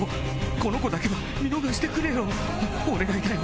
この子だけは見逃してくれよお願いだよ。